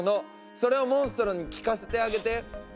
それをモンストロに聴かせてあげて。